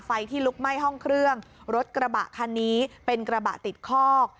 ที่ลุกไหม้ห้องเครื่องรถกระบะคันนี้เป็นกระบะติดคอก